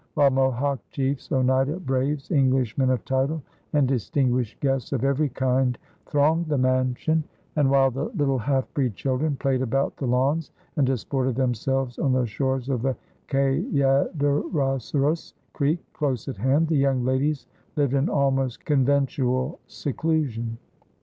While Mohawk chiefs, Oneida braves, Englishmen of title, and distinguished guests of every kind thronged the mansion, and while the little half breed children played about the lawns and disported themselves on the shores of Kayaderosseras Creek close at hand, "the young ladies" lived in almost conventual seclusion.